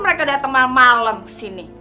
mereka datang malem malem kesini